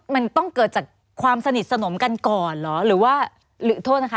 มันต้องเกิดจากความสนิทสนมกันก่อนเหรอหรือว่าหรือโทษนะคะ